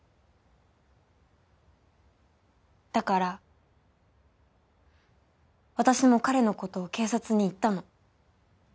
だから私も彼の事を警察に言ったの。